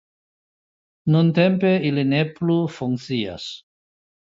Nuntempe ili ne plu funkcias.